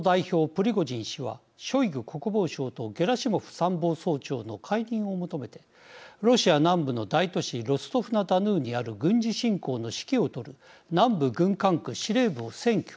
プリゴジン氏はショイグ国防相とゲラシモフ参謀総長の解任を求めてロシア南部の大都市ロストフ・ナ・ドヌーにある軍事侵攻の指揮を執る南部軍管区司令部を占拠。